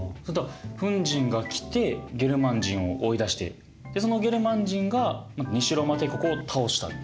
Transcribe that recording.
フン人が来てゲルマン人を追い出してそのゲルマン人が西ローマ帝国を倒した。